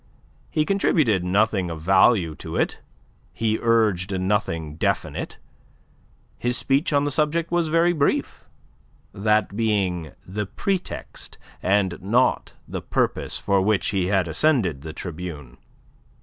He contributed nothing of value to it; he urged nothing definite. His speech on the subject was very brief that being the pretext and not the purpose for which he had ascended the tribune.